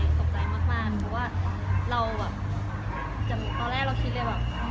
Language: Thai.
ผมก็ตกใจมากเพราะว่าในตอนแรกเราคิดให้อย่างแบบ